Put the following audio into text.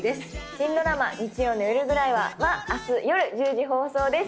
新ドラマ「日曜の夜ぐらいは」はあす夜１０時放送です。